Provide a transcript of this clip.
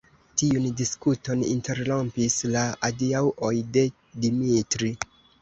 Tiun diskuton interrompis la adiaŭoj de Dimitri.